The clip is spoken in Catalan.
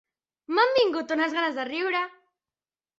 M'han vingut unes ganes de riure!